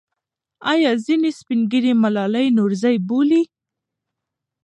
آیا ځینې سپین ږیري ملالۍ نورزۍ بولي؟